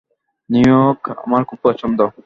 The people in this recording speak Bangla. নিউ-ইয়র্ক আমার খুব পছন্দ।